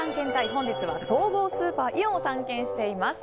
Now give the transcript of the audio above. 本日は総合スーパー、イオンを探検しています。